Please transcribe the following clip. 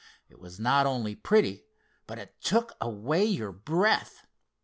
It was not only pretty, but it took away your breath.